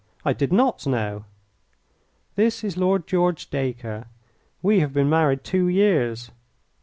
"I did not know." "This is Lord George Dacre. We have been married two years.